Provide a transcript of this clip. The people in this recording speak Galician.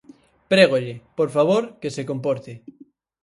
Prégolle, por favor, que se comporte.